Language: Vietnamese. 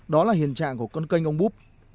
đó là hiện trạng của con canh ông búc